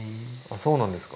そうなんですか？